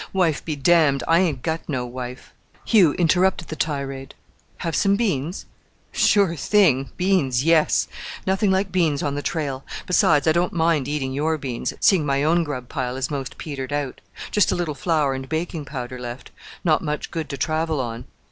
Wife be damned! I ain't got no wife." Hugh interrupted the tirade. "Have some beans?" "Sure thing! Beans yes; nothing like beans on the trail; besides, I don't mind eating your beans, seeing my own grub pile is most petered out. Just a little flour and baking powder left; not much good to travel on."